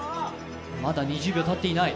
まだ２０秒たっていない。